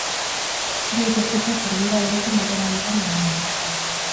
Bi ekoiztetxe jarri dira gurekin harremanetan dagoeneko.